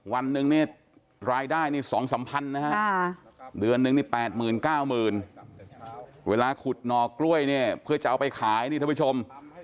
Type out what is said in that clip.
วันนึงรายได้นี่๒สัมพันธุ์นะฮะเดือนนึง๘หมื่น๙หมื่นเวลาขุดหนอกล้วยเพื่อจะเอาไปขายนี่ทุกผู้ชม